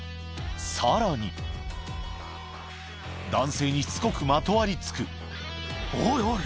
さらに男性にしつこくまとわりつくおいおい。